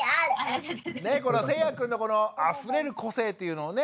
せいやくんのこのあふれる個性っていうのをね